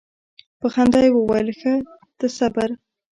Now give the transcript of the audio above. په خندا یې وویل ښه ته صبر.